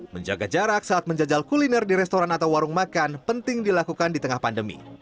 menjaga jarak saat menjajal kuliner di restoran atau warung makan penting dilakukan di tengah pandemi